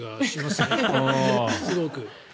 すごく。